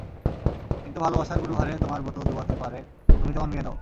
কিন্তু ভালোবাসার গুরুভারে তোমার ব্রত ডোবাতে পারে তুমি তেমন মেয়ে নও।